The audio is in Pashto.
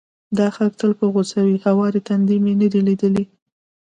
دا خلک تل په غوسه وي، هوارې ټنډې مې نه دي ليدلې،